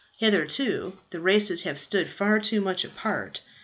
Hitherto the races have stood far too much apart.